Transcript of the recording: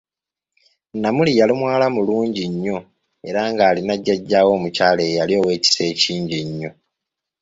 Namuli yali muwala mulungi nnyo era ng'alina jjaja we omukyala eyali ow'ekisa ekingi ennyo.